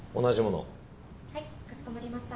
はいかしこまりました。